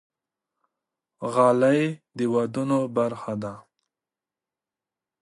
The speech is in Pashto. غالۍ د دودونو برخه ده.